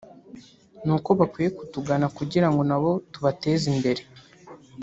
ni uko bakwiye kutugana kugira ngo nabo tubateze imbere